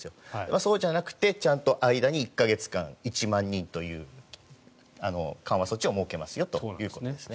そうじゃなくてちゃんと間に１か月１万人という緩和措置を設けますよということですね。